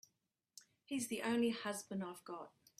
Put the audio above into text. He's the only husband I've got.